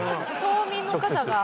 島民の方が？